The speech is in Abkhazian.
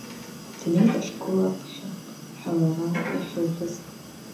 Днеит ашкол аԥхьа ҳәа лара иахьылҳәаз.